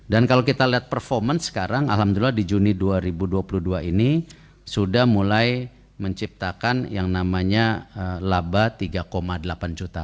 dan kalau kita lihat performance sekarang alhamdulillah di juni dua ribu dua puluh dua ini sudah mulai menciptakan yang namanya laba tiga delapan juta